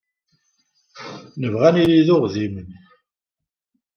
Nebɣa ad nili d uɣdimen.